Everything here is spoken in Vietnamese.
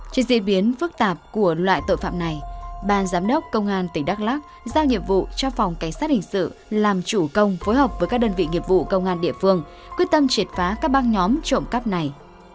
trên diễn biến phức tạp của loại tội phạm này ban giám đốc công an tỉnh đắk lắc giao nhiệm vụ cho phòng cảnh sát hình sự làm chủ công phối hợp với các đơn vị nghiệp vụ công an địa phương quyết tâm triệt phá các băng nhóm trộm cắp này